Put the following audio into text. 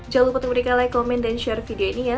jangan lupa untuk berikan like komen dan share video ini ya